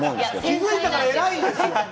気づいたから偉いですよ。